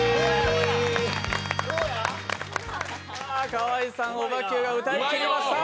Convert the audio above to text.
河井さん、オバＱが歌いきりました。